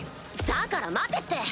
だから待てって！